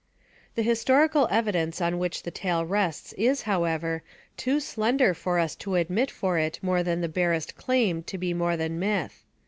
The historical evidence on which the tale rests is, however, too slender for us to admit for it more than the barest claim to be more than myth.